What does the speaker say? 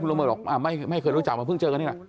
ระเบิดบอกไม่เคยรู้จักมาเพิ่งเจอกันนี่แหละ